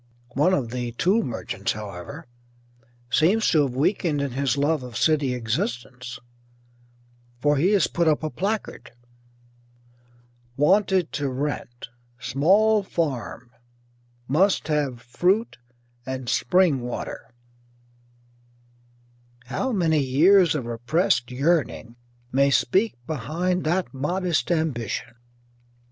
One of the tool merchants, however, seems to have weakened in his love of city existence, for he has put up a placard: WANTED TO RENT Small Farm Must Have Fruit and Spring Water How many years of repressed yearning may speak behind that modest ambition!